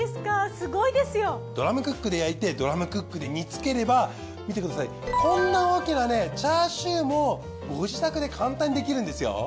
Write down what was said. すごいですよ。ドラムクックで焼いてドラムクックで煮つければ見てくださいこんな大きなチャーシューもご自宅で簡単にできるんですよ。